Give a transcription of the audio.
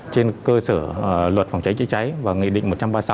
trên cơ sở luật phòng cháy chữa cháy và nghị định một trăm ba mươi sáu